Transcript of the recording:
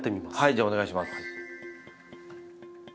じゃあお願いします。